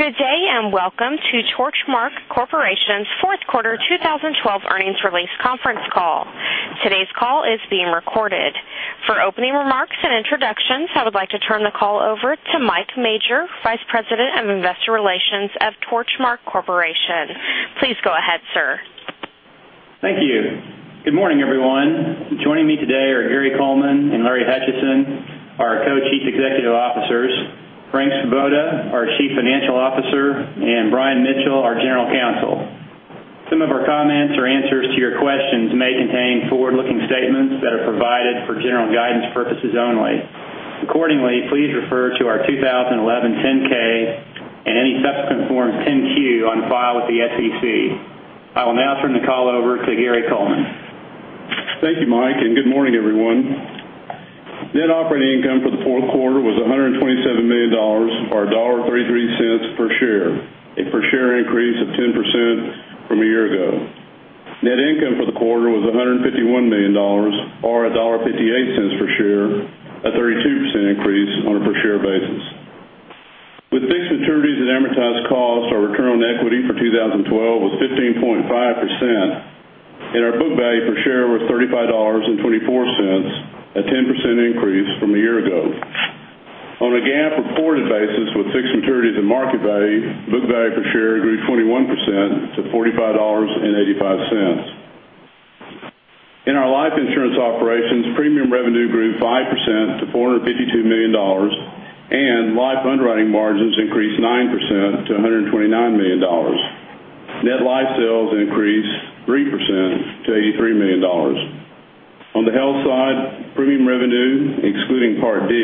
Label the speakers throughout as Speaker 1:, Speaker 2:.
Speaker 1: Good day, and welcome to Torchmark Corporation's fourth quarter 2012 earnings release conference call. Today's call is being recorded. For opening remarks and introductions, I would like to turn the call over to Mike Majors, Vice President of Investor Relations at Torchmark Corporation. Please go ahead, sir.
Speaker 2: Thank you. Good morning, everyone. Joining me today are Gary Coleman and Larry Hutchison, our Co-Chief Executive Officers, Frank Svoboda, our Chief Financial Officer, and Brian Mitchell, our General Counsel. Some of our comments or answers to your questions may contain forward-looking statements that are provided for general guidance purposes only. Please refer to our 2011 10-K and any subsequent Form 10-Q on file with the SEC. I will now turn the call over to Gary Coleman.
Speaker 3: Thank you, Mike, and good morning, everyone. Net operating income for the fourth quarter was $127 million, or $1.33 per share, a per share increase of 10% from a year ago. Net income for the quarter was $151 million, or $1.58 per share, a 32% increase on a per share basis. With fixed maturities and amortized costs, our return on equity for 2012 was 15.5%, and our book value per share was $35.24, a 10% increase from a year ago. On a GAAP reported basis with fixed maturities and market value, book value per share grew 21% to $45.85. In our life insurance operations, premium revenue grew 5% to $452 million, and life underwriting margins increased 9% to $129 million. Net life sales increased 3% to $83 million. On the health side, premium revenue, excluding Part D,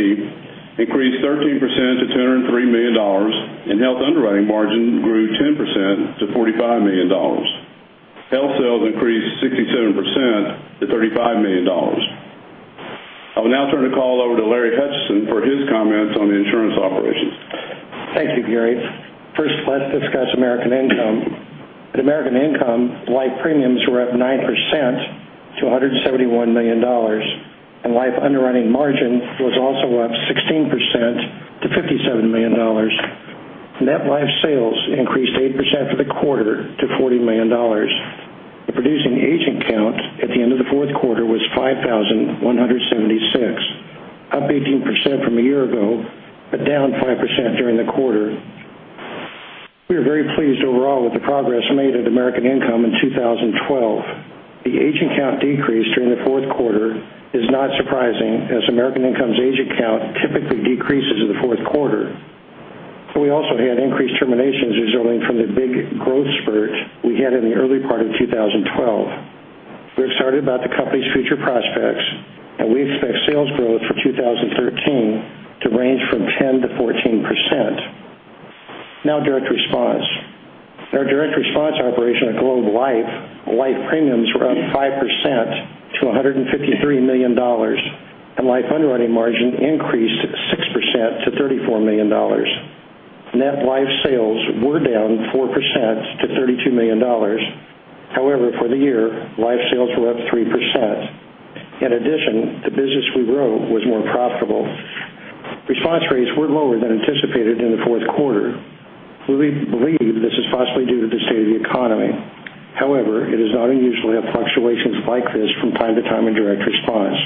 Speaker 3: increased 13% to $203 million, and health underwriting margin grew 10% to $45 million. Health sales increased 67% to $35 million. I will now turn the call over to Larry Hutchison for his comments on the insurance operations.
Speaker 4: Thank you, Gary. First, let's discuss American Income. At American Income, life premiums were up 9% to $171 million, and life underwriting margin was also up 16% to $57 million. Net life sales increased 8% for the quarter to $40 million. The producing agent count at the end of the fourth quarter was 5,176, up 18% from a year ago, but down 5% during the quarter. We are very pleased overall with the progress made at American Income in 2012. The agent count decrease during the fourth quarter is not surprising, as American Income's agent count typically decreases in the fourth quarter. We also had increased terminations resulting from the big growth spurt we had in the early part of 2012. We're excited about the company's future prospects. We expect sales growth for 2013 to range from 10%-14%. Now, Direct Response. In our Direct Response operation at Globe Life, life premiums were up 5% to $153 million, and life underwriting margin increased 6% to $34 million. Net life sales were down 4% to $32 million. However, for the year, life sales were up 3%. In addition, the business we wrote was more profitable. Response rates were lower than anticipated in the fourth quarter. We believe this is possibly due to the state of the economy. However, it is not unusual to have fluctuations like this from time to time in Direct Response.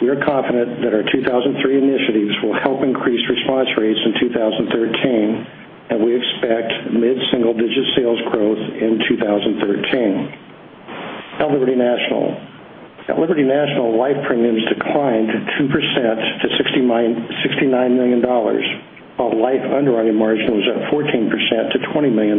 Speaker 4: We are confident that our 2013 initiatives will help increase response rates in 2013, and we expect mid-single-digit sales growth in 2013. Now, Liberty National. At Liberty National, life premiums declined 2% to $69 million, while life underwriting margin was up 14% to $20 million.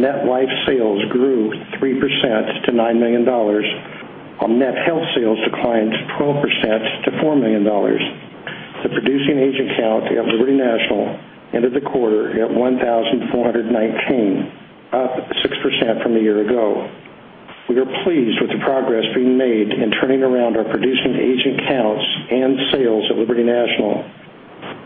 Speaker 4: Net life sales grew 3% to $9 million, while net health sales declined 12% to $4 million. The producing agent count at Liberty National ended the quarter at 1,419, up 6% from a year ago. We are pleased with the progress being made in turning around our producing agent counts and sales at Liberty National.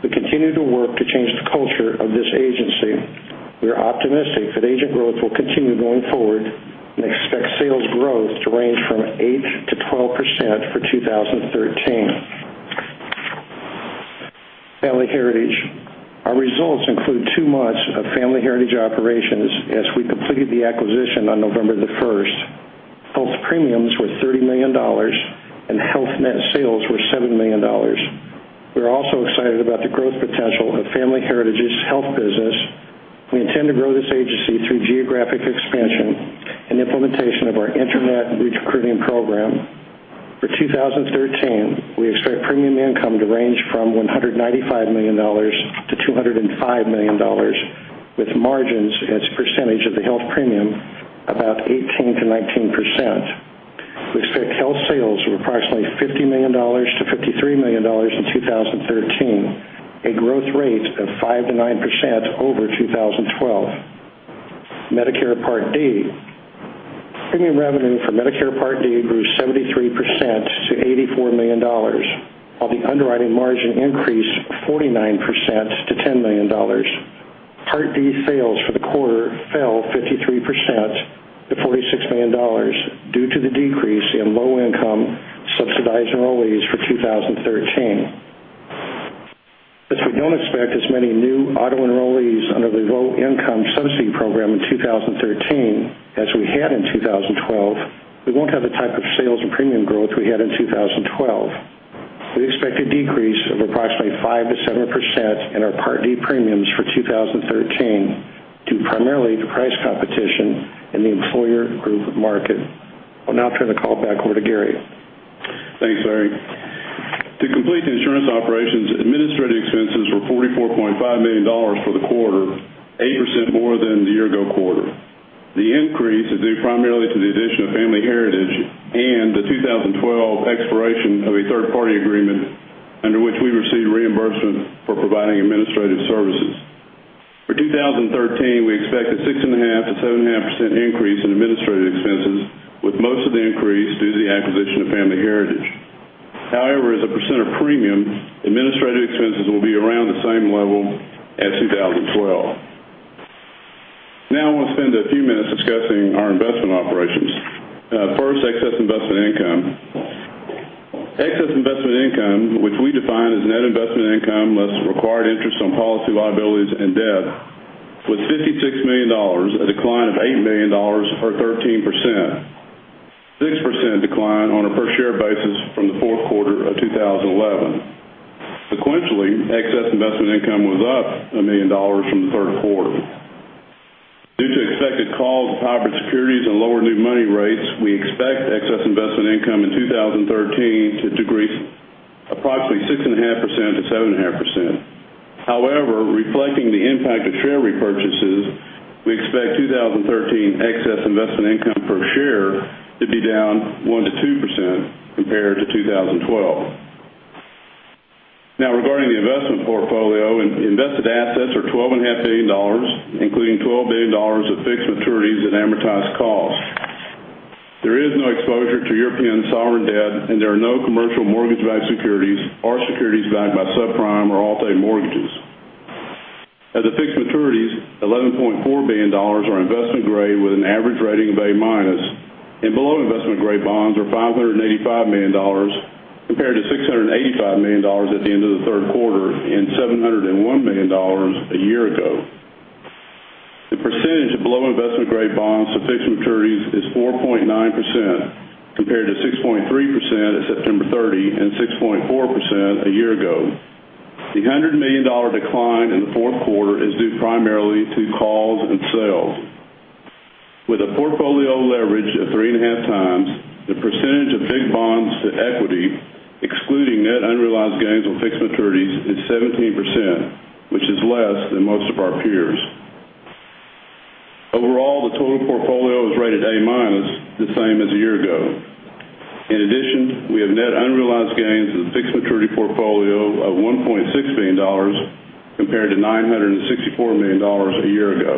Speaker 4: We continue to work to change the culture of this agency. We are optimistic that agent growth will continue going forward and expect sales growth to range from 8%-12% for 2013. Family Heritage. Our results include two months of Family Heritage operations as we completed the acquisition on November the first. Health premiums were $30 million, and health net sales were $7 million. We're also excited about the growth potential of Family Heritage's health business. We intend to grow this agency through geographic expansion and implementation of our internet lead recruiting program. For 2013, we expect premium income to range from $195 million-$205 million, with margins as a percentage of the health premium about 18%-19%. We expect health sales of approximately $50 million-$53 million in 2013, a growth rate of 5%-9% over 2012. Medicare Part D. Premium revenue for Medicare Part D grew 73% to $84 million, while the underwriting margin increased 49% to $10 million. Part D sales for the quarter fell 53% to $46 million due to the decrease in LIS in 2013. We don't expect as many new auto enrollees under the Low-Income Subsidy program in 2013 as we had in 2012. We won't have the type of sales and premium growth we had in 2012. We expect a decrease of approximately 5%-7% in our Part D premiums for 2013, due primarily to price competition in the employer group market. I'll now turn the call back over to Gary.
Speaker 3: Thanks, Larry. To complete the insurance operations, administrative expenses were $44.5 million for the quarter, 8% more than the year ago quarter. The increase is due primarily to the addition of Family Heritage and the 2012 expiration of a third-party agreement under which we received reimbursement for providing administrative services. For 2013, we expect a 6.5%-7.5% increase in administrative expenses, with most of the increase due to the acquisition of Family Heritage. However, as a % of premium, administrative expenses will be around the same level as 2012. Now I want to spend a few minutes discussing our investment operations. First, excess investment income. Excess investment income, which we define as net investment income less required interest on policy liabilities and debt, was $56 million, a decline of $8 million or 13%, 6% decline on a per share basis from the fourth quarter of 2011. Sequentially, excess investment income was up $1 million from the third quarter. Due to expected calls of hybrid securities and lower new money rates, we expect excess investment income in 2013 to decrease approximately 6.5%-7.5%. However, reflecting the impact of share repurchases, we expect 2013 excess investment income per share to be down 1%-2% compared to 2012. Now regarding the investment portfolio, invested assets are $12.5 billion, including $12 billion of fixed maturities at amortized cost. There is no exposure to European sovereign debt, and there are no commercial mortgage-backed securities or securities backed by subprime or Alt-A mortgages. As of fixed maturities, $11.4 billion are investment grade with an average rating of A-, and below investment grade bonds are $585 million compared to $685 million at the end of the third quarter and $701 million a year ago. The percentage of below investment grade bonds to fixed maturities is 4.9% compared to 6.3% at September 30 and 6.4% a year ago. The $100 million decline in the fourth quarter is due primarily to calls and sales. With a portfolio leverage of 3.5 times, the percentage of fixed bonds to equity, excluding net unrealized gains on fixed maturities, is 17%, which is less than most of our peers. Overall, the total portfolio was rated A-, the same as a year ago. In addition, we have net unrealized gains in the fixed maturity portfolio of $1.6 billion compared to $964 million a year ago.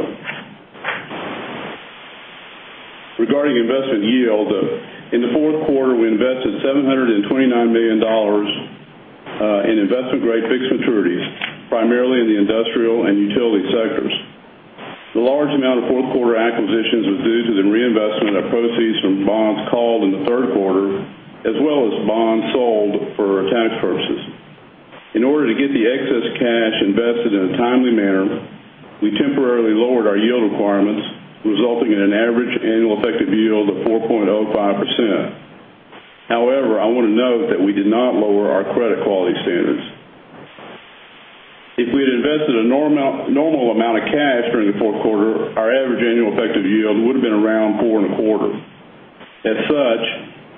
Speaker 3: Regarding investment yield, in the fourth quarter, we invested $729 million in investment-grade fixed maturities, primarily in the industrial and utility sectors. The large amount of fourth quarter acquisitions was due to the reinvestment of proceeds from bonds called in the third quarter as well as bonds sold for tax purposes. In order to get the excess cash invested in a timely manner, we temporarily lowered our yield requirements, resulting in an average annual effective yield of 4.05%. However, I want to note that we did not lower our credit quality standards. If we had invested a normal amount of cash during the fourth quarter, our average annual effective yield would have been around 4.25%. As such,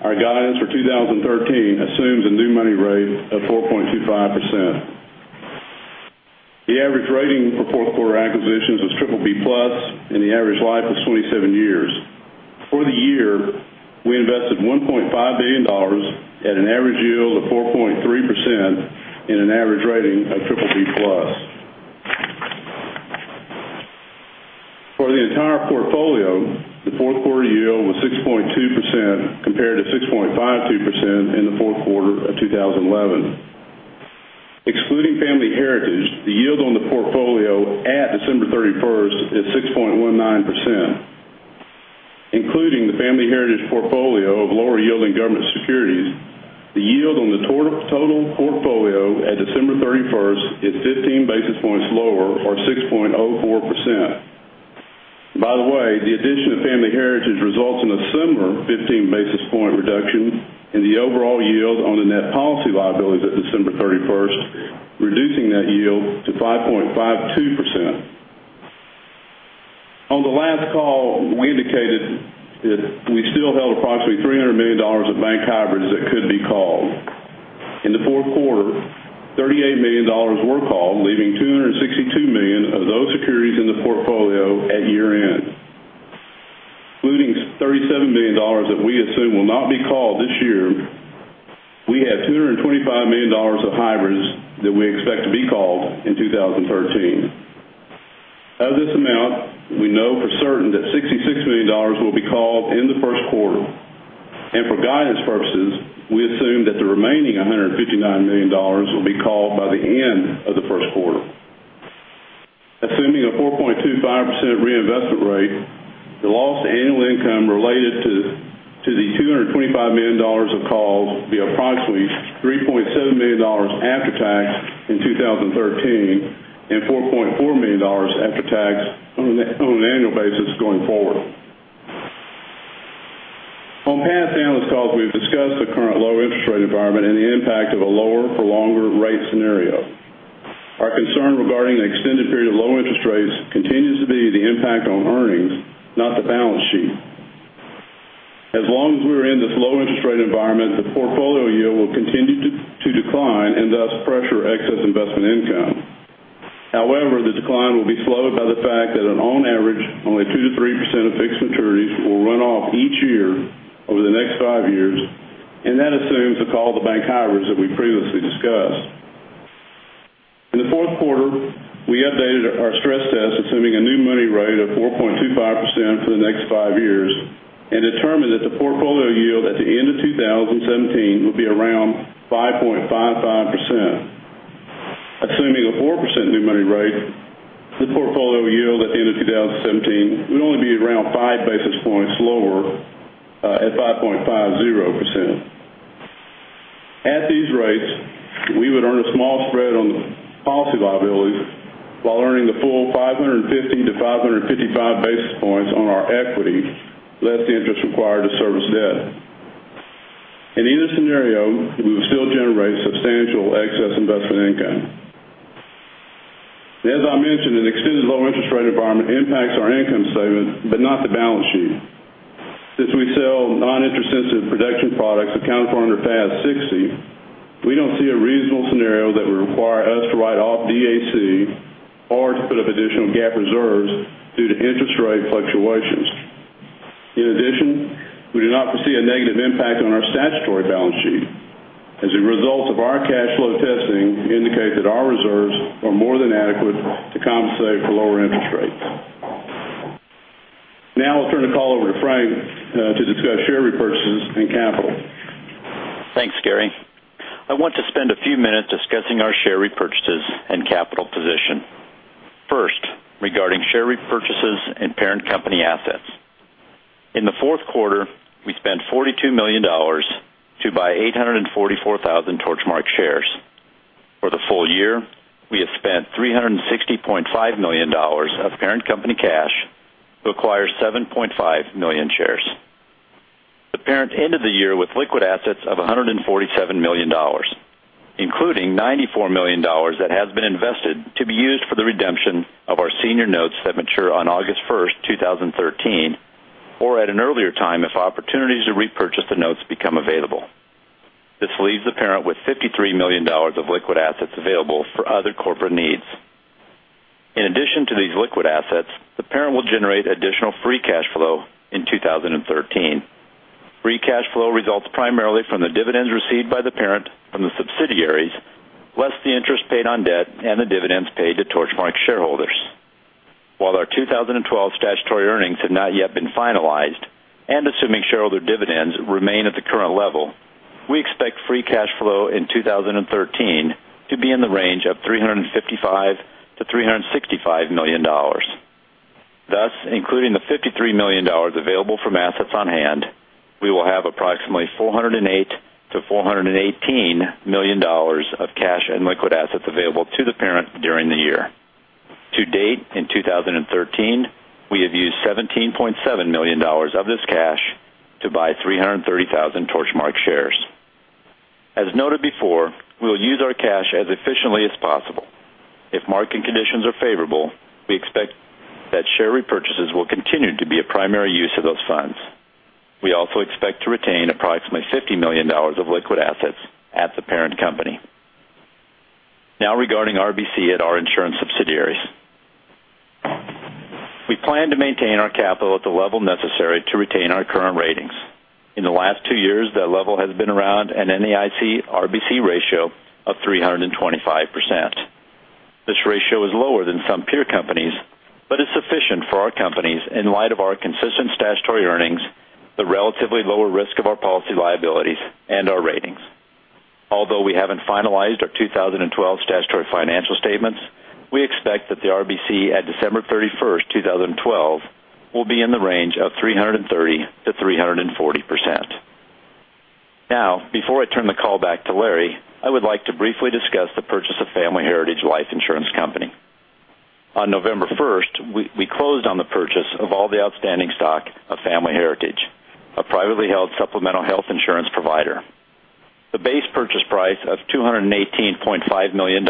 Speaker 3: our guidance for 2013 assumes a new money rate of 4.25%. The average rating for fourth quarter acquisitions was BBB+, and the average life was 27 years. For the year, we invested $1.5 billion at an average yield of 4.3% and an average rating of BBB+. For the entire portfolio, the fourth quarter yield was 6.2% compared to 6.52% in the fourth quarter of 2011. Excluding Family Heritage, the yield on the portfolio at December 31st is 6.19%. Including the Family Heritage portfolio of lower yielding government securities, the yield on the total portfolio at December 31st is 15 basis points lower or 6.04%. By the way, the addition of Family Heritage results in a similar 15 basis point reduction in the overall yield on the net policy liabilities at December 31st, reducing that yield to 5.52%. On the last call, we indicated that we still held approximately $300 million of bank hybrids that could be called. In the fourth quarter, $38 million were called, leaving $262 million of those securities in the portfolio at year-end. Including $37 million that we assume will not be called this year, we have $225 million of hybrids that we expect to be called in 2013. Of this amount, we know for certain that $66 million will be called in the first quarter. For guidance purposes, we assume that the remaining $159 million will be called by the end of the first quarter. Assuming a 4.25% reinvestment rate, the lost annual income related to the $225 million of calls will be approximately $3.7 million after tax in 2013 and $4.4 million after tax on an annual basis going forward. On past analyst calls, we've discussed the current low interest rate environment and the impact of a lower for longer rate scenario. Our concern regarding the extended period of low interest rates continues to be the impact on earnings, not the balance sheet. As long as we are in this low interest rate environment, the portfolio yield will continue to decline and thus pressure excess investment income. However, the decline will be slowed by the fact that on average, only 2%-3% of fixed maturities will run off each year over the next five years, and that assumes the call of the bank hybrids that we previously discussed. In the fourth quarter, we updated our stress test assuming a new money rate of 4.25% for the next five years, and determined that the portfolio yield at the end of 2017 would be around 5.55%. Assuming a 4% new money rate, the portfolio yield at the end of 2017 would only be around five basis points lower at 5.50%. At these rates, we would earn a small spread on the policy liabilities while earning the full 550-555 basis points on our equity less the interest required to service debt. In either scenario, we would still generate substantial excess investment income. As I mentioned, an extended low interest rate environment impacts our income statement, but not the balance sheet. Since we sell non-interest sensitive protection products accounted for under FAS 60, we don't see a reasonable scenario that would require us to write off DAC or to put up additional GAAP reserves due to interest rate fluctuations. In addition, we do not foresee a negative impact on our statutory balance sheet. As a result of our cash flow testing indicate that our reserves are more than adequate to compensate for lower interest rates. Now I'll turn the call over to Frank to discuss share repurchases and capital.
Speaker 5: Thanks, Gary. I want to spend a few minutes discussing our share repurchases and capital position. First, regarding share repurchases and parent company assets. In the fourth quarter, we spent $42 million to buy 844,000 Torchmark shares. For the full year, we have spent $360.5 million of parent company cash to acquire 7.5 million shares. The parent ended the year with liquid assets of $147 million, including $94 million that has been invested to be used for the redemption of our senior notes that mature on August 1st, 2013, or at an earlier time if opportunities to repurchase the notes become available. This leaves the parent with $53 million of liquid assets available for other corporate needs. In addition to these liquid assets, the parent will generate additional free cash flow in 2013. Free cash flow results primarily from the dividends received by the parent from the subsidiaries, less the interest paid on debt and the dividends paid to Torchmark shareholders. While our 2012 statutory earnings have not yet been finalized, and assuming shareholder dividends remain at the current level, we expect free cash flow in 2013 to be in the range of $355 million-$365 million. Thus, including the $53 million available from assets on hand, we will have approximately $408 million-$418 million of cash and liquid assets available to the parent during the year. To date, in 2013, we have used $17.7 million of this cash to buy 330,000 Torchmark shares. As noted before, we'll use our cash as efficiently as possible. If market conditions are favorable, we expect that share repurchases will continue to be a primary use of those funds. We also expect to retain approximately $50 million of liquid assets at the parent company. Now, regarding RBC at our insurance subsidiaries. We plan to maintain our capital at the level necessary to retain our current ratings. In the last two years, that level has been around an NAIC RBC ratio of 325%. This ratio is lower than some peer companies, but is sufficient for our companies in light of our consistent statutory earnings, the relatively lower risk of our policy liabilities, and our ratings. Although we haven't finalized our 2012 statutory financial statements, we expect that the RBC at December 31st, 2012, will be in the range of 330%-340%. Now, before I turn the call back to Larry, I would like to briefly discuss the purchase of Family Heritage Life Insurance Company. On November 1st, we closed on the purchase of all the outstanding stock of Family Heritage, a privately held supplemental health insurance provider. The base purchase price of $218.5 million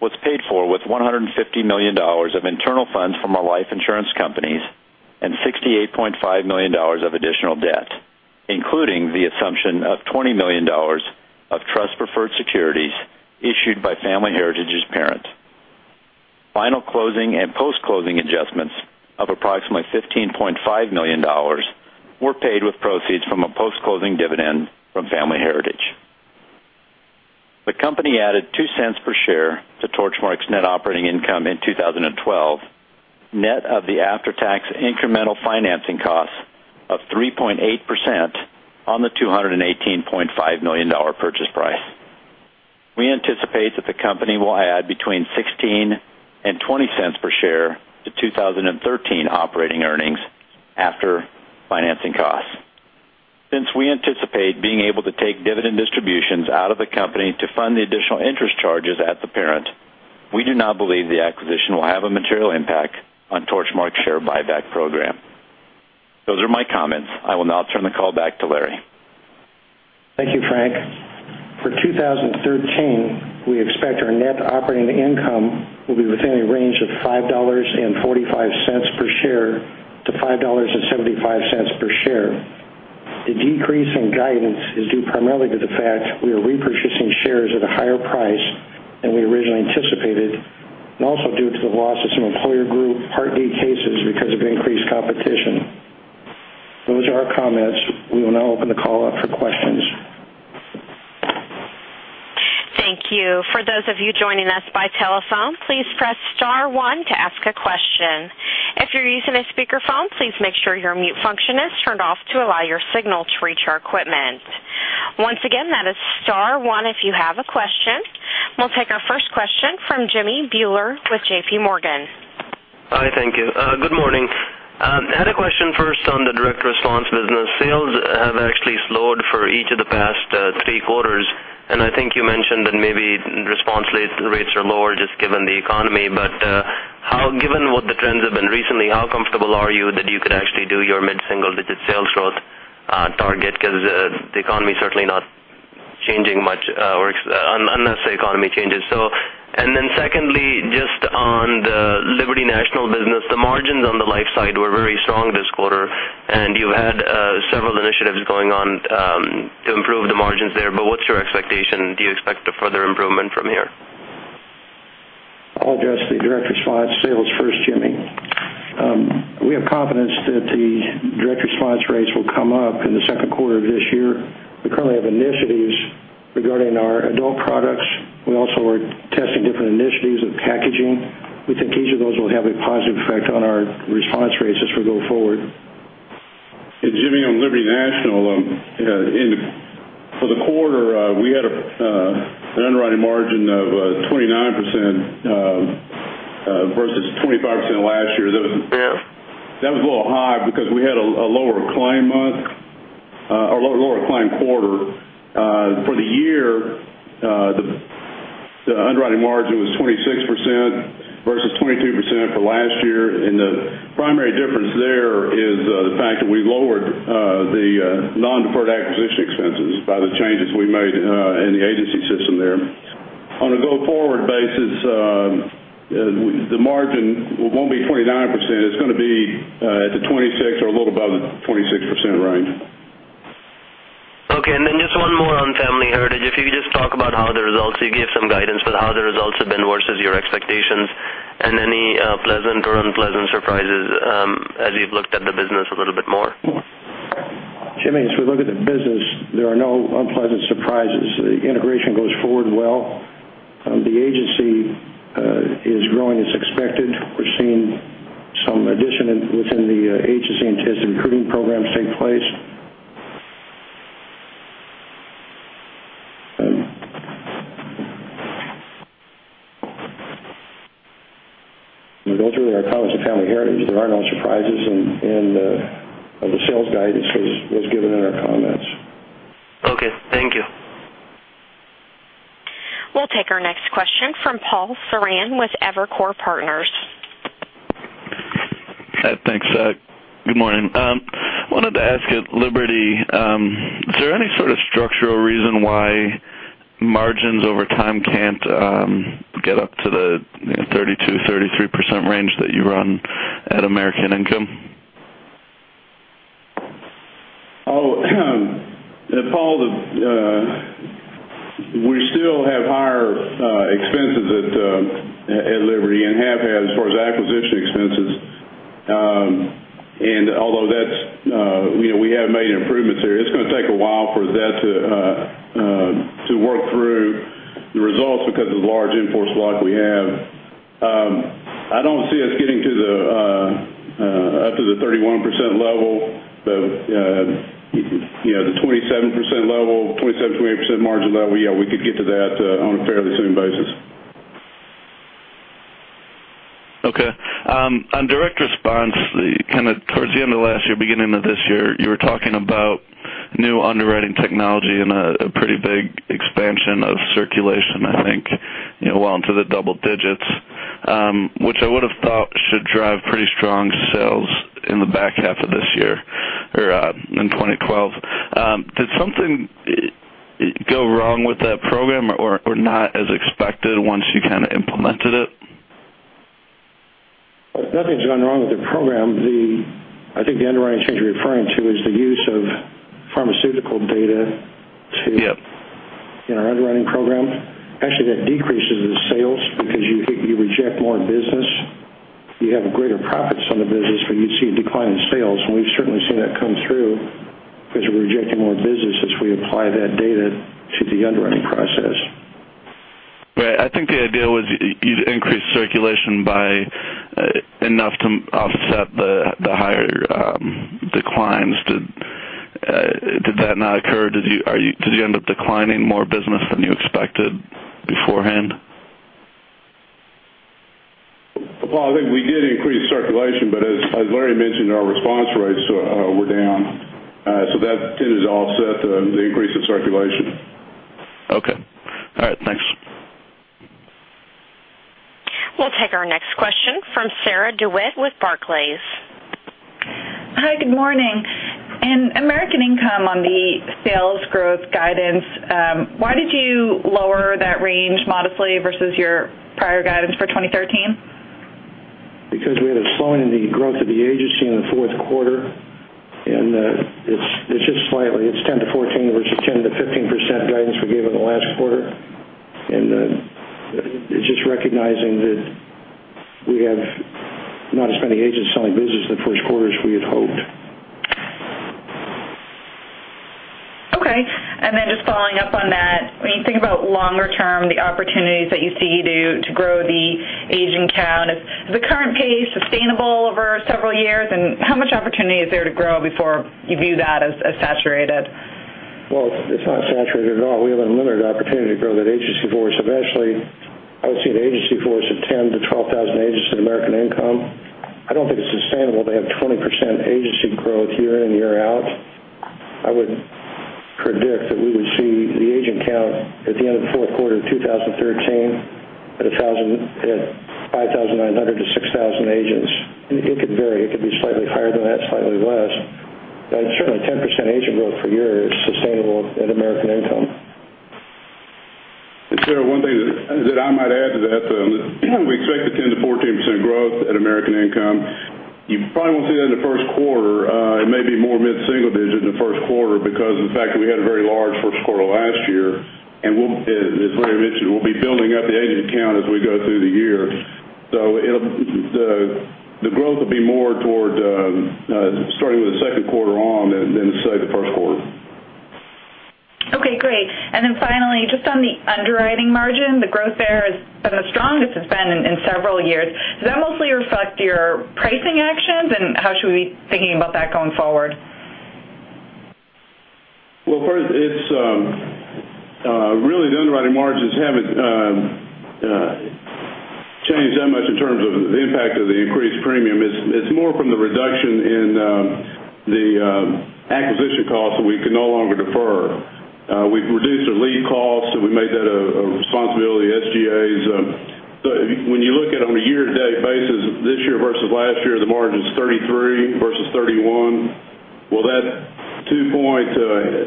Speaker 5: was paid for with $150 million of internal funds from our life insurance companies and $68.5 million of additional debt, including the assumption of $20 million of trust preferred securities issued by Family Heritage's parent. Final closing and post-closing adjustments of approximately $15.5 million were paid with proceeds from a post-closing dividend from Family Heritage. The company added $0.02 per share to Torchmark's net operating income in 2012, net of the after-tax incremental financing cost of 3.8% on the $218.5 million purchase price. We anticipate that the company will add between $0.16 and $0.20 per share to 2013 operating earnings after financing costs. Since we anticipate being able to take dividend distributions out of the company to fund the additional interest charges at the parent, we do not believe the acquisition will have a material impact on Torchmark's share buyback program. Those are my comments. I will now turn the call back to Larry.
Speaker 4: Thank you, Frank. For 2013, we expect our net operating income will be within a range of $5.45 per share to $5.75 per share. The decrease in guidance is due primarily to the fact we are repurchasing shares at a higher price than we originally anticipated, and also due to the losses in employer group Part D cases because of increased competition. Those are our comments. We will now open the call up for questions.
Speaker 1: Thank you. For those of you joining us by telephone, please press star one to ask a question. If you're using a speakerphone, please make sure your mute function is turned off to allow your signal to reach our equipment. Once again, that is star one if you have a question. We'll take our first question from Jimmy Bhullar with J.P. Morgan.
Speaker 6: Hi, thank you. Good morning. I had a question first on the Direct Response business. Sales have actually slowed for each of the past three quarters, I think you mentioned that maybe response rates are lower just given the economy. Given what the trends have been recently, how comfortable are you that you could actually do your mid-single-digit sales growth target? The economy is certainly not changing much, unless the economy changes. Then secondly, just on the Liberty National business, the margins on the life side were very strong this quarter, you had several initiatives going on to improve the margins there. What's your expectation? Do you expect a further improvement from here?
Speaker 4: I'll address the Direct Response sales first, Jimmy. We have confidence that the Direct Response rates will come up in the second quarter of this year. We currently have initiatives regarding our adult products. We also are testing different initiatives with packaging. We think each of those will have a positive effect on our response rates as we go forward.
Speaker 3: Jimmy, on Liberty National, for the quarter, we had an underwriting margin of 29% versus 25% last year.
Speaker 6: Yeah.
Speaker 3: That was a little high because we had a lower claim month or lower claim quarter. For the year, the underwriting margin was 26% versus 22% for last year, and the primary difference there is the fact that we lowered the non-deferred acquisition expenses by the changes we made in the agency system there. On a go-forward basis, the margin won't be 29%, it's going to be at the 26% or a little above the 26% range.
Speaker 6: Okay. Then just one more on Family Heritage. If you could just talk about how the results, you gave some guidance, but how the results have been versus your expectations and any pleasant or unpleasant surprises as you've looked at the business a little bit more.
Speaker 4: Jimmy, as we look at the business, there are no unpleasant surprises. The integration goes forward well. The agency is growing as expected. We're seeing some addition within the agency in terms of recruiting programs take place. Those are really our comments on Family Heritage. The sales guidance was given in our comments.
Speaker 6: Okay. Thank you.
Speaker 1: We'll take our next question from Paul Sarran with Evercore Partners.
Speaker 7: Thanks. Good morning. I wanted to ask at Liberty National Life Insurance Company, is there any sort of structural reason why margins over time can't get up to the 32%-33% range that you run at American Income Life Insurance Company?
Speaker 3: Paul, we still have higher expenses at Liberty National Life Insurance Company and have had as far as acquisition expenses. Although we have made improvements here, it's going to take a while for that to work through the results because of the large in-force block we have. I don't see us getting up to the 31% level. The 27%-28% margin level, we could get to that on a fairly soon basis.
Speaker 7: Okay. On Direct Response, kind of towards the end of last year, beginning of this year, you were talking about new underwriting technology and a pretty big expansion of circulation, I think, well into the double digits, which I would've thought should drive pretty strong sales in the back half of this year or in 2012. Did something go wrong with that program or not as expected once you kind of implemented it?
Speaker 4: Nothing's gone wrong with the program. I think the underwriting change you're referring to is the use of pharmaceutical data to-
Speaker 7: Yep
Speaker 4: in our underwriting program. Actually, that decreases the sales because you reject more business. You have greater profits on the business, but you'd see a decline in sales, and we've certainly seen that come through because we're rejecting more business as we apply that data to the underwriting process.
Speaker 7: I think the idea was you'd increase circulation by enough to offset the higher declines. Did that not occur? Did you end up declining more business than you expected beforehand?
Speaker 3: Paul, I think we did increase circulation, but as Larry mentioned, our response rates were down. That tended to offset the increase in circulation.
Speaker 7: Okay. All right. Thanks.
Speaker 1: We'll take our next question from Sarah DeWitt with Barclays.
Speaker 8: Hi, good morning. In American Income, on the sales growth guidance, why did you lower that range modestly versus your prior guidance for 2013?
Speaker 4: We had a slowing in the growth of the agency in the fourth quarter, and it's just slightly. It's 10-14 versus 10%-15% guidance we gave in the last quarter. It's just recognizing that we have not as many agents selling business in the first quarter as we had hoped.
Speaker 8: Okay. Just following up on that, when you think about longer term, the opportunities that you see to grow the agent count, is the current pace sustainable over several years, and how much opportunity is there to grow before you view that as saturated?
Speaker 4: Well, it's not saturated at all. We have a limited opportunity to grow that agency force. Eventually, I would see the agency force at 10,000-12,000 agents in American Income. I don't think it's sustainable to have 20% agency growth year in, year out. I would predict that we would see the agent count at the end of the fourth quarter of 2013 at 5,900-6,000 agents. It could vary. It could be slightly higher than that, slightly less. Certainly, 10% agent growth per year is sustainable at American Income.
Speaker 3: Sarah, one thing that I might add to that, we expect a 10%-14% growth at American Income. You probably won't see that in the first quarter. It may be more mid-single digit in the first quarter because of the fact that we had a very large first quarter last year. As Larry mentioned, we'll be building up the agent count as we go through the year. The growth will be more toward starting with the second quarter on than, say, the first quarter.
Speaker 8: Okay, great. Finally, just on the underwriting margin, the growth there is the strongest it's been in several years. Does that mostly reflect your pricing actions, and how should we be thinking about that going forward?
Speaker 3: Well, first, really the underwriting margins haven't changed that much in terms of the impact of the increased premium. It's more from the reduction in the acquisition costs that we can no longer defer. We've reduced our lead costs, we made that a responsibility of the SG&A. When you look at it on a year-to-date basis, this year versus last year, the margin's 33 versus 31. Well, that two-point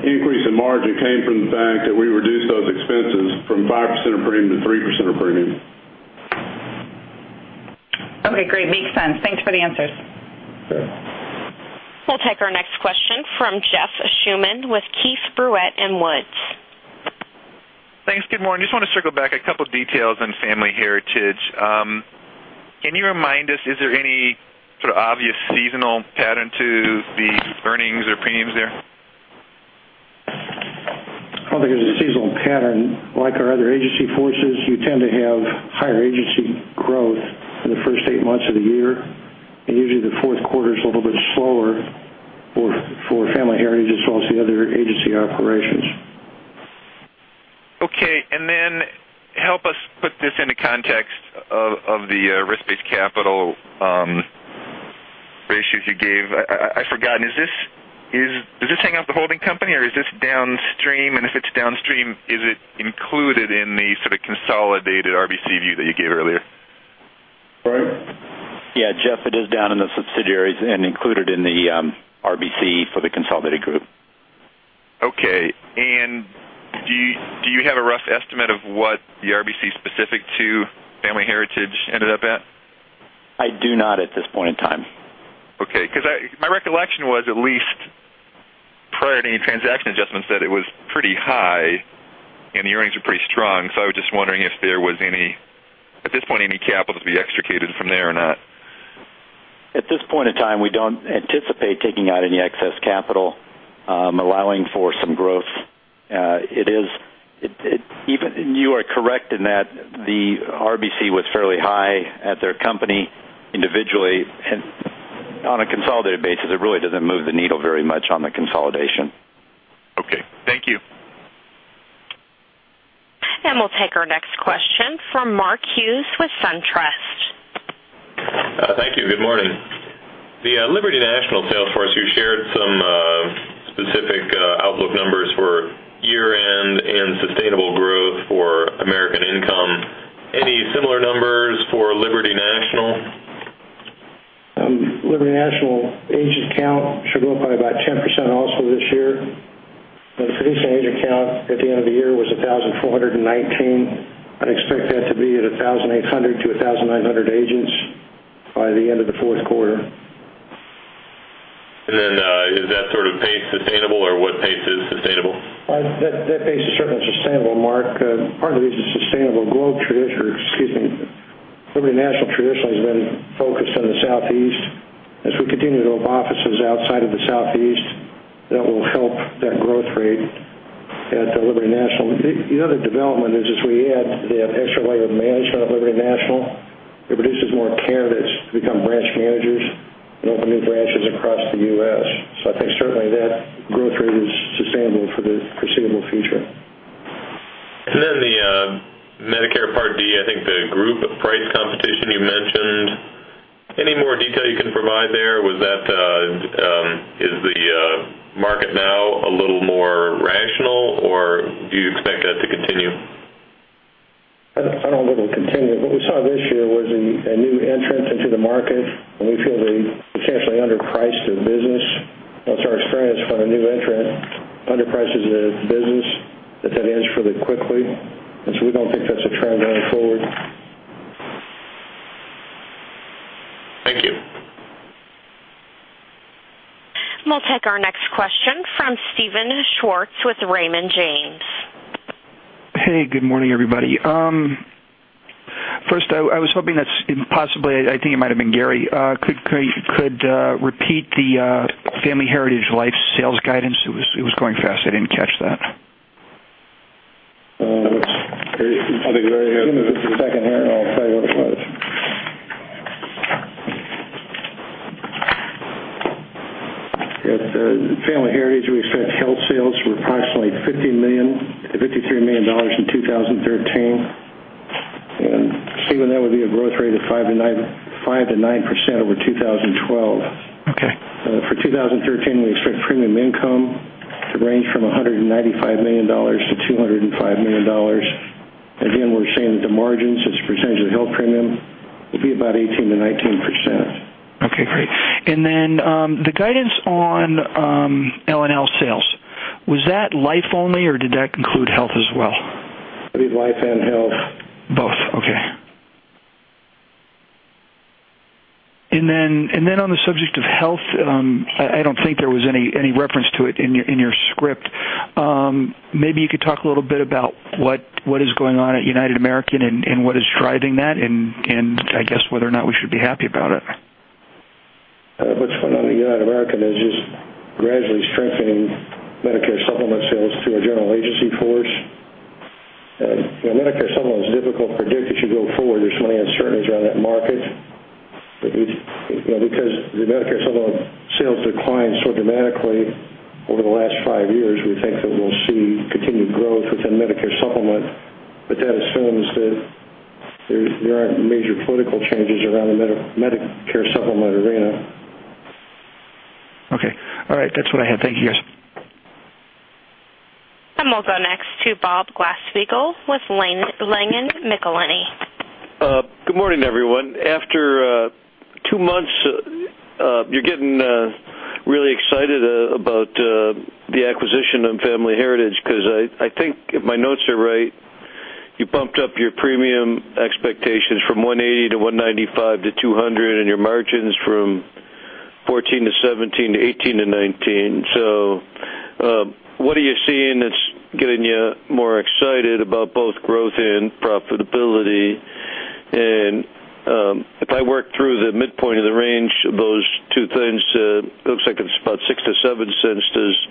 Speaker 3: increase in margin came from the fact that we reduced those expenses from 5% of premium to 3% of premium.
Speaker 8: Okay, great. Makes sense. Thanks for the answers.
Speaker 3: Sure.
Speaker 1: We'll take our next question from Jeff Schuman with Keefe, Bruyette & Woods.
Speaker 9: Thanks. Good morning. Just want to circle back a couple details on Family Heritage. Can you remind us, is there any sort of obvious seasonal pattern to the earnings or premiums there?
Speaker 4: I don't think there's a seasonal pattern. Like our other agency forces, you tend to have higher agency growth in the first eight months of the year. Usually, the fourth quarter is a little bit slower for Family Heritage, as well as the other agency operations.
Speaker 9: Okay. Then help us put this into context of the risk-based capital ratios you gave. I've forgotten. Does this hang off the holding company, or is this downstream? If it's downstream, is it included in the sort of consolidated RBC view that you gave earlier? Frank?
Speaker 5: Yeah, Jeff, it is down in the subsidiaries and included in the RBC for the consolidated group.
Speaker 9: Okay. Do you have a rough estimate of what the RBC specific to Family Heritage ended up at?
Speaker 5: I do not at this point in time.
Speaker 9: Okay, my recollection was at least prior to any transaction adjustments, that it was pretty high and the earnings were pretty strong. I was just wondering if there was, at this point, any capital to be extricated from there or not.
Speaker 5: At this point in time, we don't anticipate taking out any excess capital, allowing for some growth. You are correct in that the RBC was fairly high at their company individually. On a consolidated basis, it really doesn't move the needle very much on the consolidation.
Speaker 9: Okay. Thank you.
Speaker 1: We'll take our next question from Mark Hughes with SunTrust.
Speaker 10: Thank you. Good morning. The Liberty National sales force, you shared some specific outlook numbers for year-end and sustainable growth for American Income. Any similar numbers for Liberty National?
Speaker 4: Liberty National agent count should go up by about 10% also this year. The producing agent count at the end of the year was 1,419. I'd expect that to be at 1,800 to 1,900 agents by the end of the fourth quarter.
Speaker 10: Is that sort of pace sustainable, or what pace is sustainable?
Speaker 4: That pace is certainly sustainable, Mark. Part of it is a sustainable Globe traditional. Excuse me Liberty National traditionally has been focused on the Southeast. As we continue to open offices outside of the Southeast, that will help that growth rate at Liberty National. The other development is as we add the extra layer of management at Liberty National, it produces more candidates to become branch managers and open new branches across the U.S. I think certainly that growth rate is sustainable for the foreseeable future.
Speaker 10: The Medicare Part D, I think the group price competition you mentioned, any more detail you can provide there? Is the market now a little more rational, or do you expect that to continue?
Speaker 4: I don't know if it will continue. What we saw this year was a new entrant into the market, and we feel they essentially underpriced their business. That's our experience when a new entrant underprices a business, that that ends fairly quickly. We don't think that's a trend going forward.
Speaker 10: Thank you.
Speaker 1: We'll take our next question from Steven Schwartz with Raymond James.
Speaker 11: Good morning, everybody. I was hoping that possibly, I think it might've been Gary Coleman, could repeat the Family Heritage Life sales guidance? It was going fast. I didn't catch that.
Speaker 4: I think Gary Coleman has it. Give me just a second here and I'll tell you what it was. At Family Heritage, we expect health sales to be approximately $53 million in 2013. Steven Schwartz, that would be a growth rate of 5%-9% over 2012.
Speaker 11: Okay.
Speaker 4: For 2013, we expect premium income to range from $195 million-$205 million. Again, we're saying that the margins as a percentage of health premium will be about 18%-19%.
Speaker 11: Okay, great. The guidance on LNL sales, was that life only, or did that include health as well?
Speaker 4: I believe life and health.
Speaker 11: Then on the subject of health, I don't think there was any reference to it in your script. Maybe you could talk a little bit about what is going on at United American and what is driving that, and I guess whether or not we should be happy about it.
Speaker 4: What's going on at United American is just gradually strengthening Medicare Supplement sales through our general agency force. Medicare Supplement is difficult to predict as you go forward. There's so many uncertainties around that market. Because the Medicare Supplement sales declined so dramatically over the last five years, we think that we'll see continued growth within Medicare Supplement. That assumes that there aren't major political changes around the Medicare Supplement arena.
Speaker 11: Okay. All right. That's what I had. Thank you, guys.
Speaker 1: We'll go next to Bob Glasspiegel with Langen McAlenney.
Speaker 12: Good morning, everyone. After two months, you're getting really excited about the acquisition of Family Heritage because I think if my notes are right, you bumped up your premium expectations from $180 million to $195 million to $200 million and your margins from 14% to 17% to 18% to 19%. What are you seeing that's getting you more excited about both growth and profitability? If I work through the midpoint of the range of those two things, it looks like it's about $0.06-$0.07. Does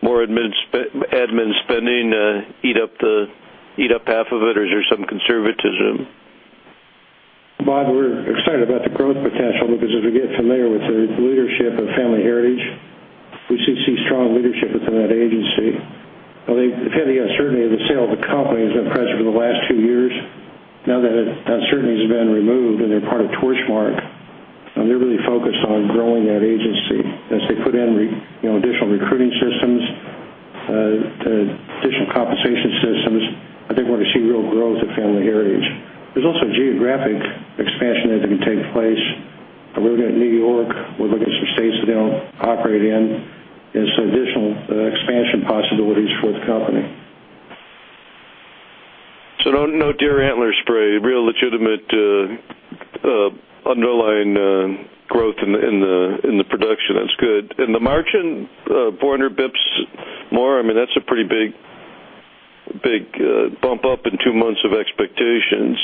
Speaker 12: more admin spending eat up half of it, or is there some conservatism?
Speaker 4: Bob, we're excited about the growth potential because as we get familiar with the leadership of Family Heritage, we see strong leadership within that agency. The uncertainty of the sale of the company has been present for the last 2 years. Now that that uncertainty's been removed and they're part of Torchmark Corporation, now they're really focused on growing that agency. As they put in additional recruiting systems, additional compensation systems, I think we're going to see real growth at Family Heritage. There's also geographic expansion that can take place. We're looking at New York. We're looking at some states that they don't operate in, and some additional expansion possibilities for the company.
Speaker 12: No deer antler spray, real legitimate underlying growth in the production. That's good. In the margin, 400 basis points more, that's a pretty big bump up in two months of expectations.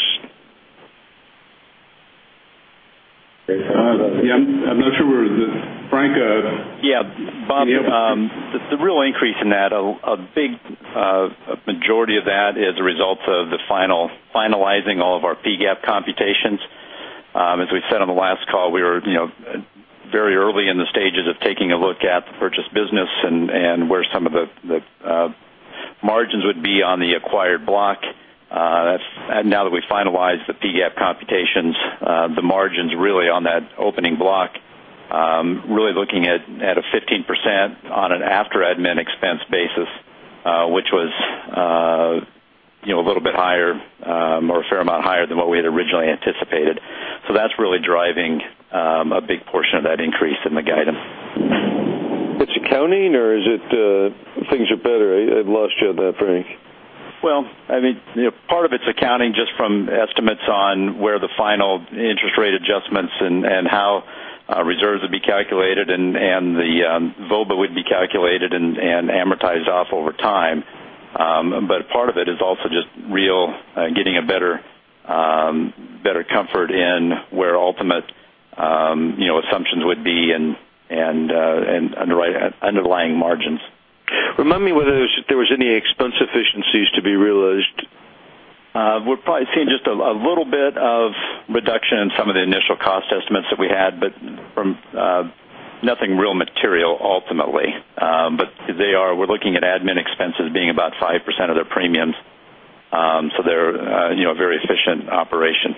Speaker 4: I'm not sure. Frank?
Speaker 5: Yeah. Bob, the real increase in that, a big majority of that is a result of the finalizing all of our PGAAP computations. As we said on the last call, we were very early in the stages of taking a look at the purchased business and where some of the margins would be on the acquired block. Now that we finalized the PGAAP computations, the margins really on that opening block, really looking at a 15% on an after admin expense basis, which was a little bit higher or a fair amount higher than what we had originally anticipated. That's really driving a big portion of that increase in the guidance.
Speaker 12: It's accounting or is it things are better? I lost you on that, Frank.
Speaker 5: Well, part of it's accounting just from estimates on where the final interest rate adjustments and how reserves would be calculated and the VOBA would be calculated and amortized off.
Speaker 4: Part of it is also just really getting better comfort in where ultimate assumptions would be and underlying margins.
Speaker 12: Remind me whether there were any expense efficiencies to be realized.
Speaker 4: We're probably seeing just a little bit of reduction in some of the initial cost estimates that we had, nothing real material ultimately. We're looking at admin expenses being about 5% of their premiums. They're a very efficient operation.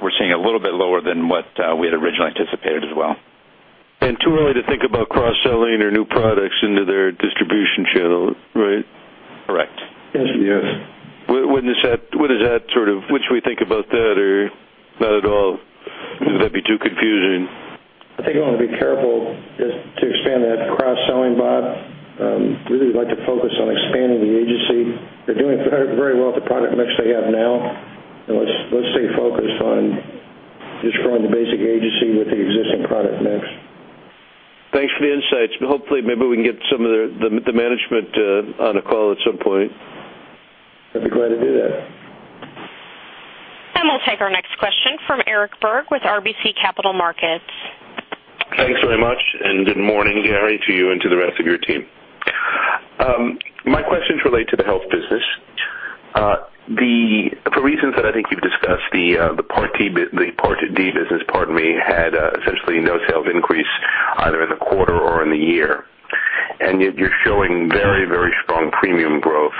Speaker 4: We're seeing a little bit lower than what we had originally anticipated as well.
Speaker 12: Too early to think about cross-selling or new products into their distribution channel, right?
Speaker 4: Correct.
Speaker 3: Yes.
Speaker 12: What is that we should think about that or not at all? Would that be too confusing?
Speaker 3: I think we want to be careful just to expand that cross-selling, Bob. Really would like to focus on expanding the agency. They're doing very well with the product mix they have now. Let's stay focused on just growing the basic agency with the existing product mix.
Speaker 12: Thanks for the insights. Hopefully, maybe we can get some of the management on a call at some point.
Speaker 3: I'd be glad to do that.
Speaker 1: We'll take our next question from Eric Berg with RBC Capital Markets.
Speaker 13: Thanks very much, and good morning, Gary, to you and to the rest of your team. My questions relate to the health business. For reasons that I think you've discussed, the Part D business had essentially no sales increase either in the quarter or in the year, and yet you're showing very strong premium growth.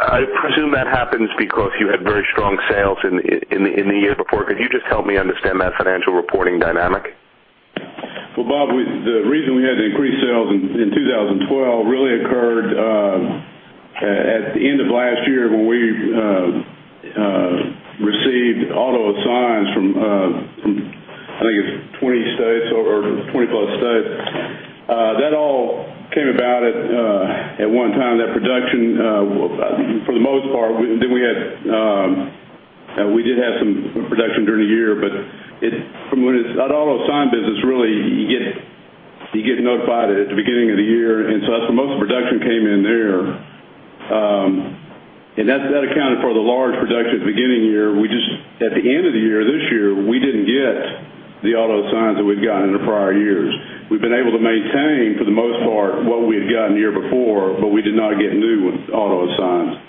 Speaker 13: I presume that happens because you had very strong sales in the year before. Could you just help me understand that financial reporting dynamic?
Speaker 3: Well, Bob, the reason we had the increased sales in 2012 really occurred at the end of last year when we received auto assignments from, I think it's 20 states or 20-plus states. That all came about at one time, that production, for the most part. We did have some production during the year, but that auto assign business, really, you get notified at the beginning of the year. That's where most of the production came in there. That accounted for the large production at the beginning of the year. At the end of the year, this year, we didn't get the auto assigns that we'd gotten in the prior years. We've been able to maintain, for the most part, what we had gotten the year before, but we did not get new auto assigns.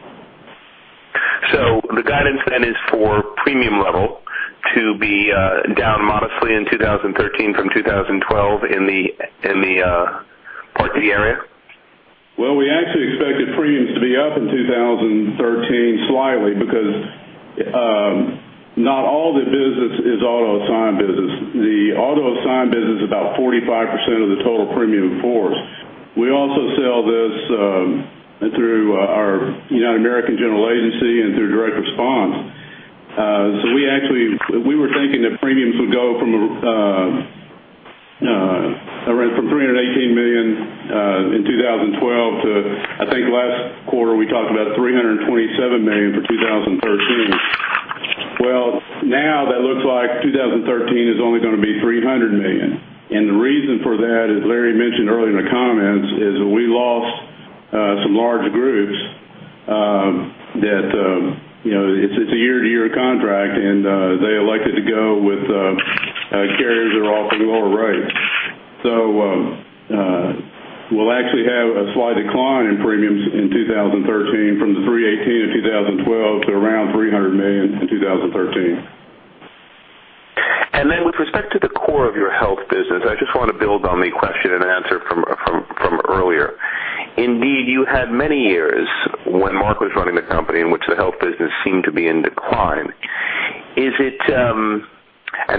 Speaker 13: The guidance then is for premium level to be down modestly in 2013 from 2012 in the Part D area?
Speaker 3: Well, we actually expected premiums to be up in 2013 slightly because not all the business is auto-assign business. The auto-assign business is about 45% of the total premium force. We also sell this through our United American General Agency and through Direct Response. We were thinking that premiums would go from $318 million in 2012 to, I think last quarter we talked about $327 million for 2013. Well, now that looks like 2013 is only going to be $300 million. The reason for that, as Larry mentioned earlier in the comments, is we lost some large groups. It's a year-to-year contract, and they elected to go with carriers that offer lower rates. We'll actually have a slight decline in premiums in 2013 from the $318 million in 2012 to around $300 million in 2013.
Speaker 13: Then with respect to the core of your health business, I just want to build on the question and answer from earlier. Indeed, you had many years when Mark was running the company in which the health business seemed to be in decline.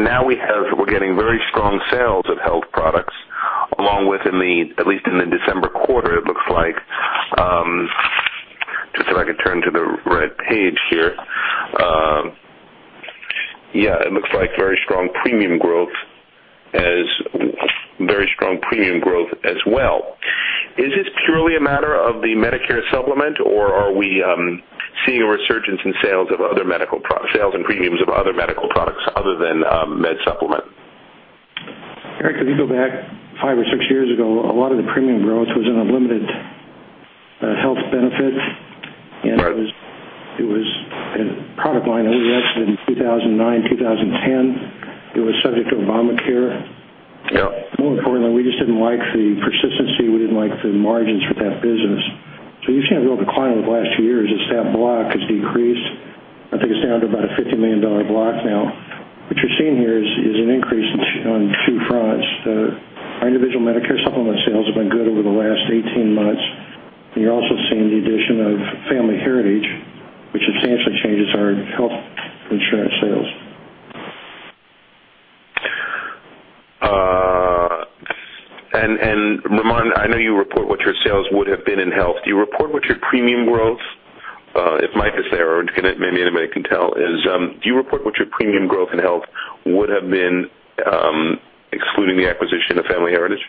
Speaker 13: Now we're getting very strong sales of health products, along with, at least in the December quarter, it looks like. Just so I can turn to the red page here. Yeah, it looks like very strong premium growth as well. Is this purely a matter of the Medicare Supplement, or are we seeing a resurgence in sales and premiums of other medical products other than Med Supplement?
Speaker 4: Eric, if you go back five or six years ago, a lot of the premium growth was in unlimited health benefits.
Speaker 13: Right.
Speaker 4: It was a product line that we exited in 2009, 2010. It was subject to Obamacare.
Speaker 13: Yeah.
Speaker 4: More importantly, we just didn't like the persistency. We didn't like the margins for that business. You've seen a real decline over the last few years as that block has decreased. I think it's down to about a $50 million block now. What you're seeing here is an increase on two fronts. Our individual Medicare Supplement sales have been good over the last 18 months. You're also seeing the addition of Family Heritage, which substantially changes our health insurance sales.
Speaker 13: Ramon, I know you report what your sales would have been in health. Do you report what your premium growth, if my disclaimer, maybe anybody can tell, is do you report what your premium growth in health would have been excluding the acquisition of Family Heritage?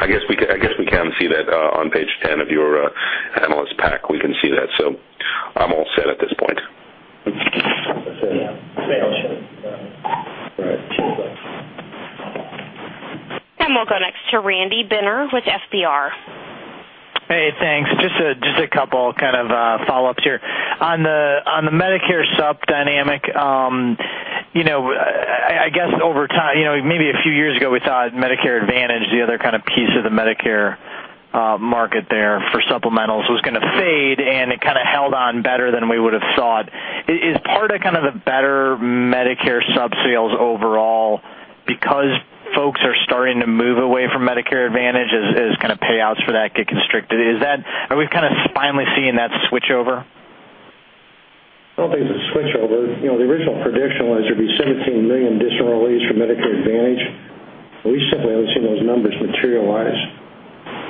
Speaker 13: I guess we can see that on page 10 of your analyst pack. We can see that.
Speaker 1: We'll go next to Randy Benner with SPR.
Speaker 14: Hey, thanks. Just a couple follow-ups here. On the Medicare sub dynamic, I guess maybe a few years ago, we thought Medicare Advantage, the other piece of the Medicare market there for supplementals was going to fade, and it held on better than we would've thought. Is part of the better Medicare sub-sales overall because folks are starting to move away from Medicare Advantage as payouts for that get constricted? Are we finally seeing that switch over?
Speaker 4: I don't think it's a switch over. The original prediction was there'd be 17 million additional enrollees for Medicare Advantage. We simply haven't seen those numbers materialize.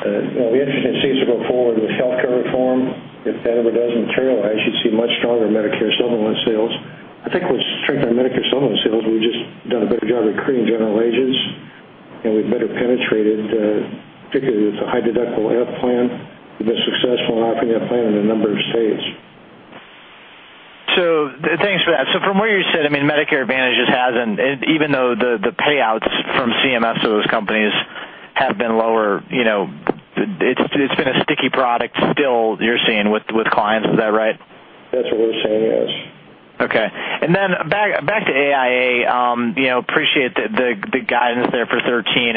Speaker 4: The interesting piece to go forward with healthcare reform, if that ever does materialize, you'd see much stronger Medicare Supplement sales. I think what's strengthening Medicare Supplement sales, we've just done a better job recruiting general agents, and we've better penetrated, particularly with the high-deductible Plan F. We've been successful in offering that plan in a number of states.
Speaker 14: Thanks for that. From what you said, Medicare Advantage just hasn't, even though the payouts from CMS to those companies have been lower, it's been a sticky product still you're seeing with clients. Is that right?
Speaker 4: That's what we're seeing, yes.
Speaker 14: Okay. Back to AIA. Appreciate the guidance there for 2013,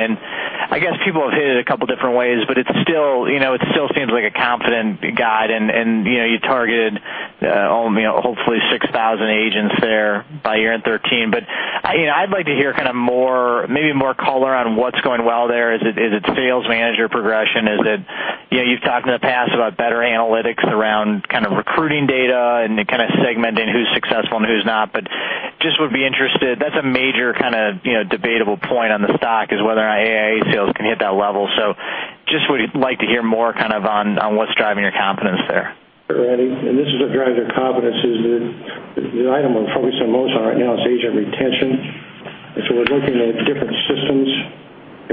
Speaker 14: I guess people have hit it a couple of different ways, but it still seems like a confident guide and you targeted hopefully 6,000 agents there by year-end 2013. I'd like to hear maybe more color on what's going well there. Is it sales manager progression? You've talked in the past about better analytics around recruiting data and segmenting who's successful and who's not, but just would be interested. That's a major debatable point on the stock is whether or not AIA sales can hit that level. Just would like to hear more on what's driving your confidence there.
Speaker 4: Sure, Randy, this is what drives our confidence is the item we're focused on most right now is agent retention. We're looking at different systems,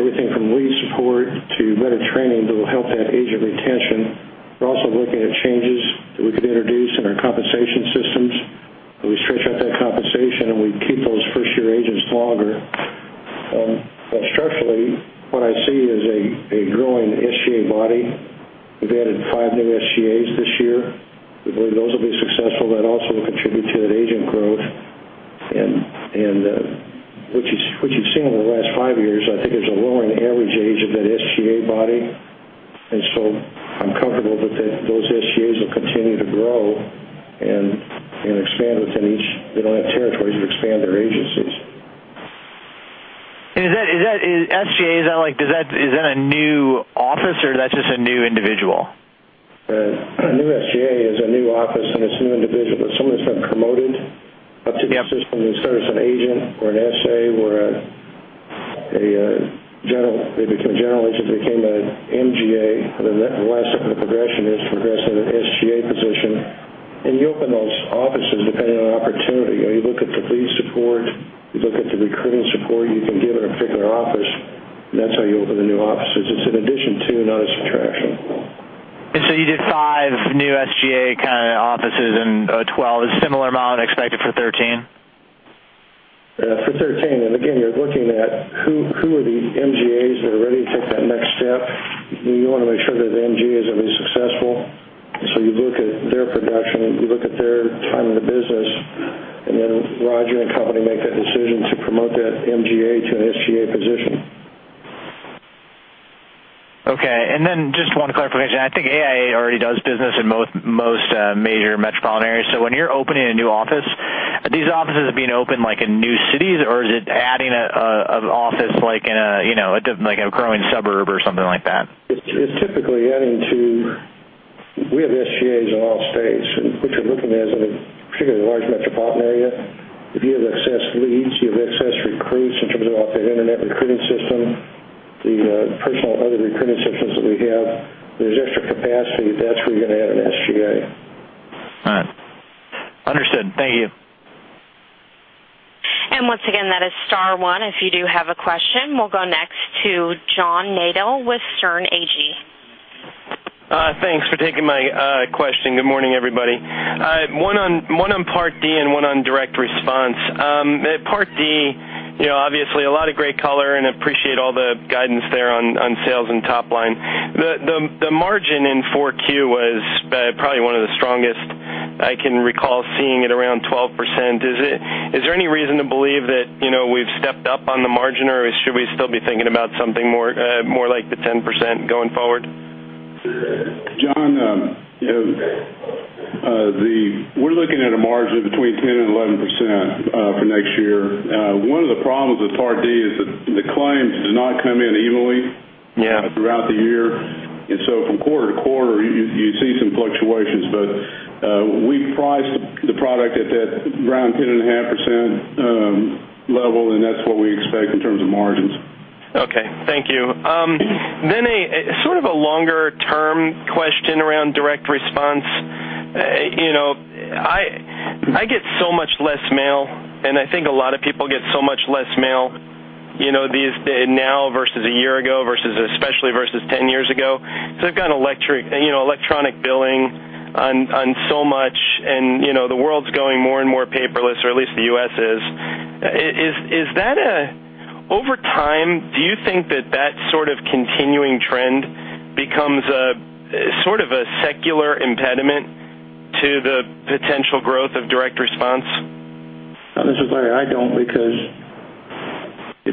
Speaker 4: everything from lead support to better training that will help that agent retention. We're also looking at changes that we could introduce in our compensation systems. If we stretch out that compensation and we keep those first-year agents longer. Structurally, what I see is a growing SGA body. We've added 5 new SGAs this year. We believe those will be successful. That also will contribute to that agent growth. What you've seen over the last five years, I think there's a lowering average age of that SGA body, I'm comfortable that those SGAs will continue to grow and expand within each. They don't have territories to expand their agencies.
Speaker 14: SGA, is that a new office or that's just a new individual?
Speaker 4: A new SGA is a new office and it's a new individual. Someone that's been promoted up to the system who started as an agent or an SA or they become a general agent, became an MGA, the last step of the progression is to progress to an SGA position. You open those offices depending on opportunity. You look at the lead support, you look at the recruiting support you can give in a particular office, that's how you open the new offices. It's an addition to, not a subtraction.
Speaker 14: You did 5 new SGA offices in 2012. A similar amount expected for 2013?
Speaker 4: For 2013, again, you're looking at who are the MGAs that are ready to take that next step. You want to make sure that the MGA is going to be successful. You look at their production, you look at their time in the business, Roger and company make that decision to promote that MGA to an SGA position.
Speaker 14: Just one clarification. I think AIA already does business in most major metropolitan areas. When you're opening a new office, are these offices being opened in new cities, or is it adding an office in a growing suburb or something like that?
Speaker 4: It's typically adding to. We have SGAs in all states. What you're looking at is in a particularly large metropolitan area, if you have excess leads, you have excess recruits in terms of off the internet recruiting system, the personal other recruiting systems that we have, there's extra capacity, that's where you're going to add an SGA.
Speaker 14: All right. Understood. Thank you.
Speaker 1: Once again, that is star one if you do have a question. We will go next to John Nadel with Sterne Agee.
Speaker 15: Thanks for taking my question. Good morning, everybody. One on Part D and one on Direct Response. Part D, obviously a lot of great color and appreciate all the guidance there on sales and top line. The margin in Q4 was probably one of the strongest I can recall seeing at around 12%. Is there any reason to believe that we have stepped up on the margin, or should we still be thinking about something more like the 10% going forward?
Speaker 4: John, we are looking at a margin between 10% and 11% for next year. One of the problems with Part D is that the claims do not come in evenly-
Speaker 15: Yeah
Speaker 4: throughout the year. From quarter to quarter, you would see some fluctuations. We priced the product at that around 10.5% level, and that is what we expect in terms of margins.
Speaker 15: Okay. Thank you. A sort of a longer-term question around Direct Response. I get so much less mail, and I think a lot of people get so much less mail now. They've got electronic billing on so much, and the world's going more and more paperless, or at least the U.S. is. Over time, do you think that that sort of continuing trend becomes a sort of a secular impediment to the potential growth of Direct Response?
Speaker 4: This is Larry. I don't, because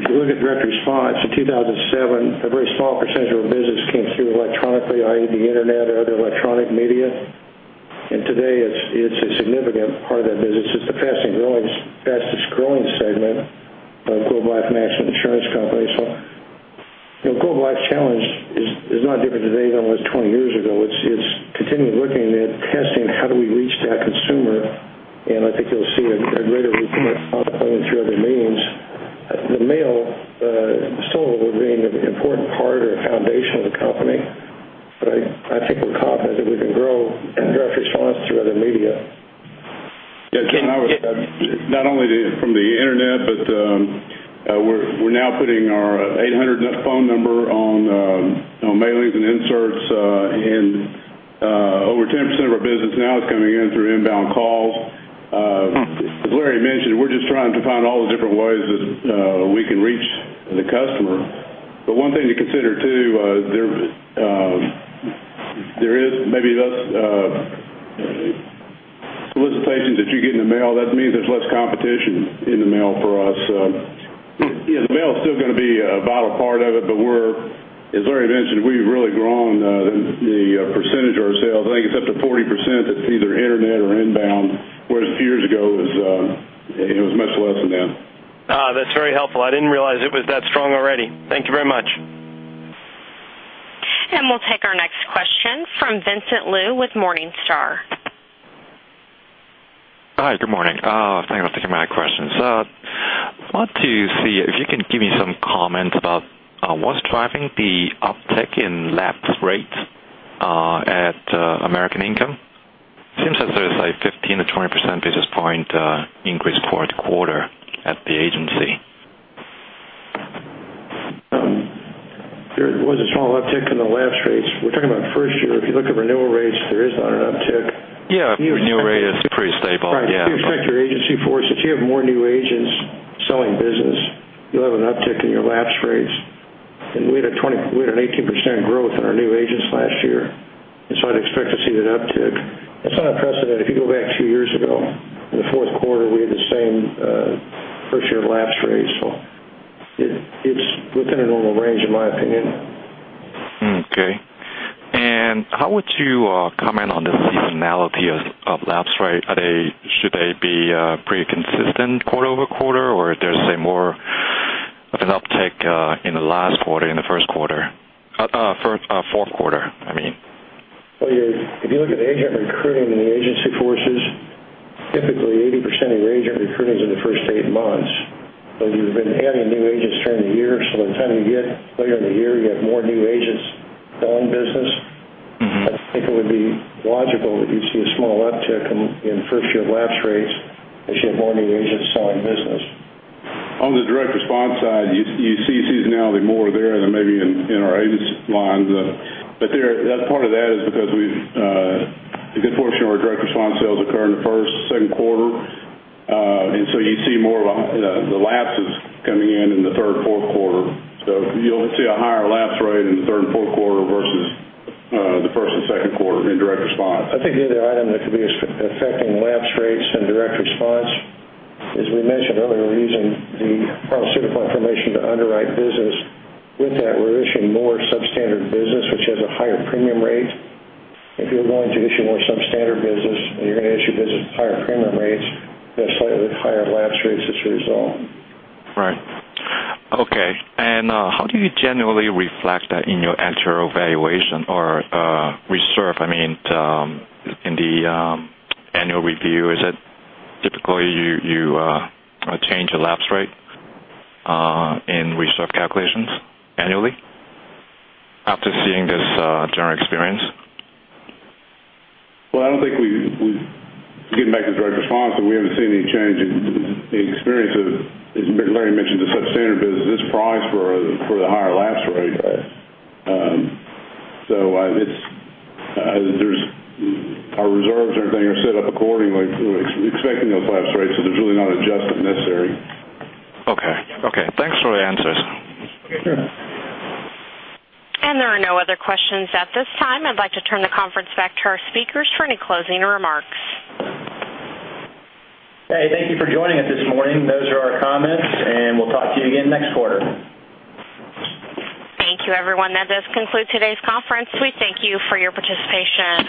Speaker 4: if you look at Direct Response in 2007, a very small percentage of our business came through electronically, i.e., the internet or other electronic media. Today, it's a significant part of that business. It's the fastest-growing segment of Globe Life and Accident Insurance Company. Globe Life's challenge is not different today than it was 20 years ago. It's continually looking at testing, how do we reach that consumer, and I think you'll see a greater report coming through other means. The mail, still will remain an important part or foundation of the company. I think we're confident that we can grow Direct Response through other media.
Speaker 3: Yeah, Ken, not only from the internet, but we're now putting our 1-800 phone number on mailings and inserts, and over 10% of our business now is coming in through inbound calls. As Larry mentioned, we're just trying to find all the different ways that we can reach the customer. One thing to consider, too, there is maybe less solicitations that you get in the mail. That means there's less competition in the mail for us. The mail is still going to be a vital part of it, as Larry mentioned, we've really grown the percentage of our sales. I think it's up to 40% that's either internet or inbound, whereas a few years ago, it was much less than that.
Speaker 15: That's very helpful. I didn't realize it was that strong already. Thank you very much.
Speaker 1: We'll take our next question from Vincent Lui with Morningstar.
Speaker 16: Hi. Good morning. Thank you for taking my questions. I want to see if you can give me some comments about what's driving the uptick in lapse rates at American Income. Seems that there's a 15-20 percentage point increase quarter-over-quarter at the agency.
Speaker 4: There was a small uptick in the lapse rates. We're talking about first year. If you look at renewal rates, there is not an uptick.
Speaker 16: Yeah. Renewal rate is pretty stable. Yeah.
Speaker 4: Right. If you inspect your agency force, if you have more new agents selling business, you'll have an uptick in your lapse rates. We had an 18% growth in our new agents last year, I'd expect to see that uptick. It's not unprecedented. If you go back two years ago, in the fourth quarter, we had the same first-year lapse rate. It's within a normal range, in my opinion.
Speaker 16: Okay. How would you comment on the seasonality of lapse rate? Should they be pretty consistent quarter-over-quarter, or there's a more of an uptick in the fourth quarter?
Speaker 4: If you look at agent recruiting in the agency forces, typically 80% of your agent recruiting is in the first eight months. You've been adding new agents during the year, by the time you get later in the year, you have more new agents selling business. I think it would be logical that you'd see a small uptick in first-year lapse rates as you have more new agents selling business.
Speaker 3: On the Direct Response side, you see seasonality more there than maybe in our agents lines. Part of that is because a good portion of our Direct Response sales occur in the first, second quarter. You see more of the lapses coming in the third, fourth quarter. You'll see a higher lapse rate in the third and fourth quarter versus the first and second quarter in Direct Response.
Speaker 4: I think the other item that could be affecting lapse rates and Direct Response, as we mentioned earlier, we're using the pharmaceutical information to underwrite business. With that, we're issuing more substandard business, which has a higher premium rate. If you're going to issue more substandard business, and you're going to issue business with higher premium rates, you'll have slightly higher lapse rates as a result.
Speaker 16: Right. Okay. How do you generally reflect that in your actuarial valuation or reserve? In the annual review, is it typically you change a lapse rate in reserve calculations annually after seeing this general experience?
Speaker 3: Well, I don't think we've, getting back to Direct Response, we haven't seen any change in the experience of, as Larry mentioned, the substandard business is priced for the higher lapse rate.
Speaker 16: Right.
Speaker 3: Our reserves and everything are set up accordingly, expecting those lapse rates, so there's really not an adjustment necessary.
Speaker 16: Okay. Thanks for the answers.
Speaker 4: Sure.
Speaker 1: There are no other questions at this time. I'd like to turn the conference back to our speakers for any closing remarks.
Speaker 2: Hey, thank you for joining us this morning. Those are our comments, and we'll talk to you again next quarter.
Speaker 1: Thank you, everyone. That does conclude today's conference. We thank you for your participation.